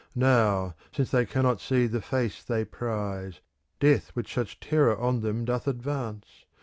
Now, since they cannot see the face they prize. Death with such terror on them doth advance.